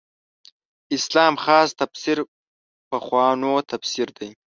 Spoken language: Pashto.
اسلام خاص تفسیر پخوانو تفسیر دی.